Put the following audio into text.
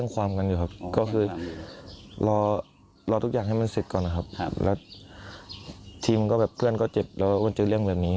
ก็คืออยากได้คืนนี้